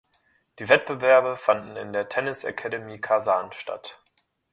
Die Wettbewerbe fanden in der "Tennis Academy Kasan" statt.